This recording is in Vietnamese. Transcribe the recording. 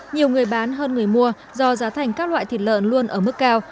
nhiều người bán hơn người mua do giá thành các loại thịt lợn luôn ở mức cao